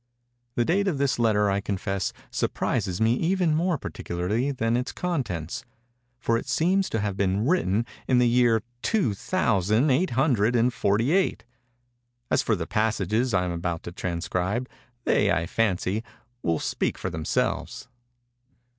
The date of this letter, I confess, surprises me even more particularly than its contents; for it seems to have been written in the year two thousand eight hundred and forty eight. As for the passages I am about to transcribe, they, I fancy, will speak for themselves.